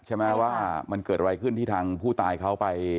ใช่ไหมว่ามันเกิดอะไรขึ้นที่ทางผู้ตายเขาไป